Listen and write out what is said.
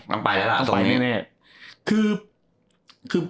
ต้องไปแล้วล่ะ